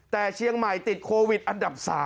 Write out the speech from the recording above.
แต่เชียงใหม่ติดโควิดอันดับ๓